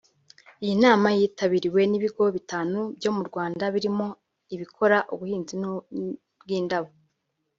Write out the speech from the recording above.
Iyi nama yitabiriwe n’ibigo bitanu byo mu Rwanda birimo ibikora ubuhinzi bw’indabo